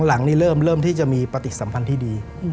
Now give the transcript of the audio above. หลังนี้เริ่มที่จะมีปฏิสัมพันธ์ที่ดี